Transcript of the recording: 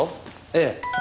ええ。